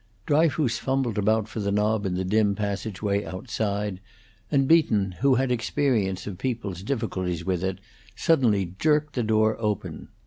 Dryfoos fumbled about for the knob in the dim passageway outside, and Beaton, who had experience of people's difficulties with it, suddenly jerked the door open.